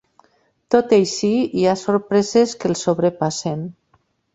Tot i així, hi ha sorpreses que el sobrepassen.